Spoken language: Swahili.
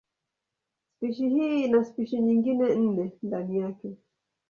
Spishi hii ina spishi nyingine nne ndani yake.